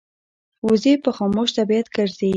وزې په خاموش طبیعت ګرځي